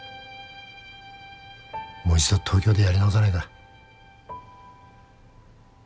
もう一度東京でやり直さないか？